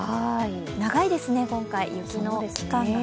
長いですね、今回、雪の期間が。